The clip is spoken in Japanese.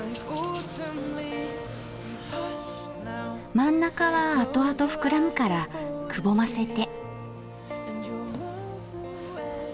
真ん中はあとあと膨らむからくぼませて。